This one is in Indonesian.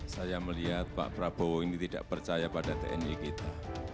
saya melihat pak prabowo ini tidak percaya pada tni kita